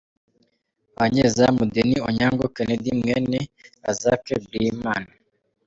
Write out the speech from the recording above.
Abanyezamu: Denis Onyango, Kennedy Mweene, Razak Brimah.